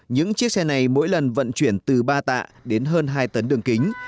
những chiếc xe này mỗi lần vận chuyển từ ba tạ đến hơn hai tấn đường kính